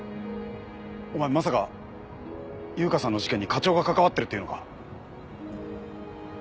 お前まさか悠香さんの事件に課長が関わってるっていうのか？